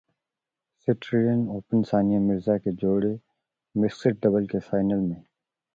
سٹریلین open Sania Mirza کی جوڑی mixed double کے فائنل میں